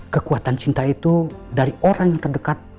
kekuatan cinta itu dari orang yang terdekat